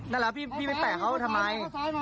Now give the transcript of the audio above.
นั่นแหละพี่ไปแตะเขาทำไม